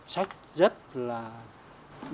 sách rất là đẹp